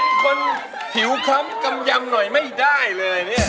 มันผิวคล้ำกำยำหน่อยไม่ได้เลยเนี่ย